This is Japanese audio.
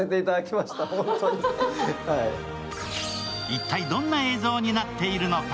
一体、どんな映像になっているのか。